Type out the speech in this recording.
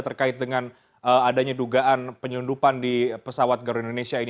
terkait dengan adanya dugaan penyelundupan di pesawat garuda indonesia ini